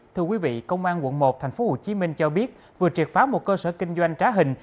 thưa quý vị công an quận một tp hcm cho biết vừa triệt phá một cơ sở kinh doanh trá hình